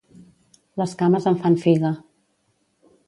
Les cames em fan figa